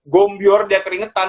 gombyor dia keringetan